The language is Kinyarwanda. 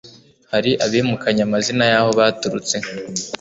Hari abimukanye amazina y'aho baturutse